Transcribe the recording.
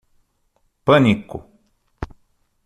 Pânico